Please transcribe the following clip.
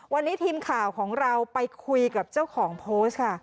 วันนี้ทีมข่าวของเราไปคุยกับเจ้าของโพสต์ค่ะ